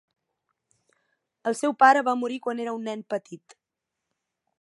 El seu pare va morir quan era un nen petit.